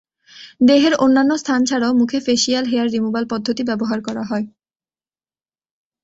দেহের অন্যান্য স্থান ছাড়াও মুখে ফেশিয়াল হেয়ার রিমুভাল পদ্ধতি ব্যবহার করা হয়।